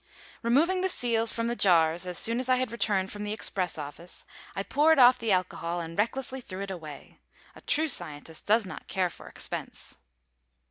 Removing the seals from the jars as soon as I had returned from the express office, I poured off the alcohol and recklessly threw it away. A true scientist does not care for expense.